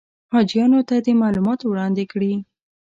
حاجیانو ته دې معلومات وړاندې کړي.